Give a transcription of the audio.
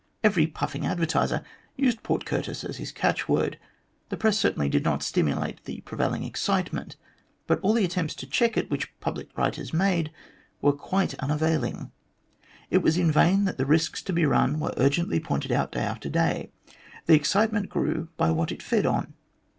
Every puffing advertiser used Port Curtis as his catch word. The Press certainly did not stimulate the prevailing excitement, but all the attempts to check it which public writers made were quite unavailing. It was in vain that the risks to be run were urgently pointed out day after day. The excitement grew by what it fed on.